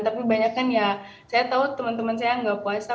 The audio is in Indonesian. tapi banyak kan ya saya tahu teman teman saya yang nggak puasa